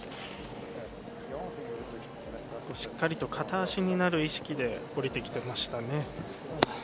しっかりと片足になる意識で降りてきましたね。